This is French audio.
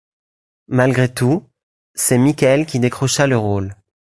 Malgré tout, c'est Michael qui décrocha le rôle.